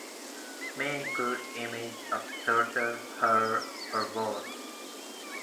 May include images of torture, horror, or war.